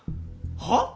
はっ？